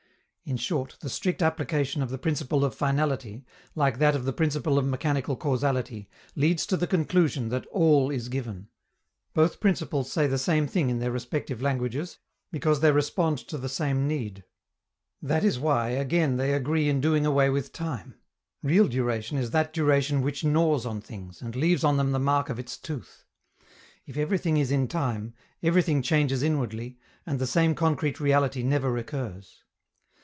In short, the strict application of the principle of finality, like that of the principle of mechanical causality, leads to the conclusion that "all is given." Both principles say the same thing in their respective languages, because they respond to the same need. That is why again they agree in doing away with time. Real duration is that duration which gnaws on things, and leaves on them the mark of its tooth. If everything is in time, everything changes inwardly, and the same concrete reality never recurs.